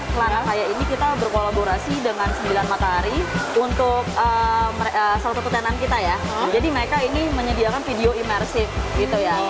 selama saya ini kita berkolaborasi dengan sembilan matahari untuk salah satu ketenan kita ya jadi mereka ini menyediakan video imersif gitu ya